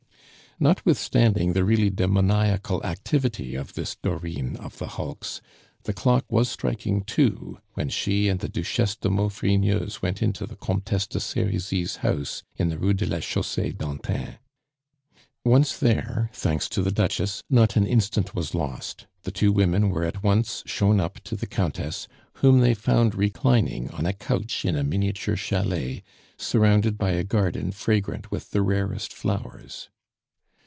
Notwithstanding the really demoniacal activity of this Dorine of the hulks, the clock was striking two when she and the Duchesse de Maufrigneuse went into the Comtesse de Serizy's house in the Rue de la Chaussee d'Antin. Once there, thanks to the Duchess, not an instant was lost. The two women were at once shown up to the Countess, whom they found reclining on a couch in a miniature chalet, surrounded by a garden fragrant with the rarest flowers.